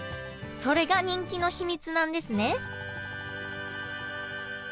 それが人気の秘密なんですね